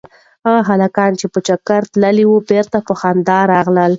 هغه هلکان چې په چکر تللي وو بېرته په خندا راغلل.